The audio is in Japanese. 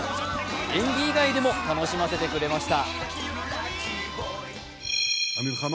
演技以外でも楽しませてくれました。